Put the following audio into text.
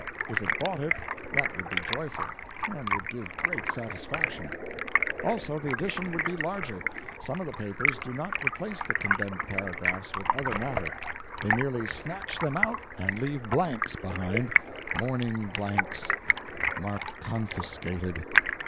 If it bought it, that would be joyful, and would give great satisfaction. Also, the edition would be larger. Some of the papers do not replace the condemned paragraphs with other matter; they merely snatch them out and leave blanks behind mourning blanks, marked 'Confiscated'.